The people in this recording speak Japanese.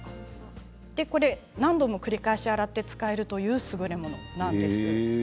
何度も繰り返し洗って使えるというすぐれものなんです。